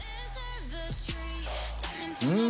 うん！